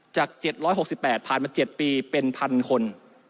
จาก๗๖๘ผ่านมา๗ปีเป็นพันคน